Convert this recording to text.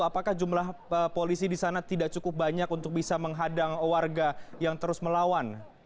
apakah jumlah polisi di sana tidak cukup banyak untuk bisa menghadang warga yang terus melawan